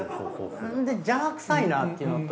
邪魔くさいなっていうのと。